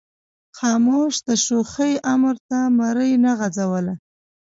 خاموش د شوخۍ امر ته مرۍ نه غځوله.